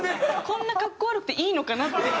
こんな格好悪くていいのかなっていう。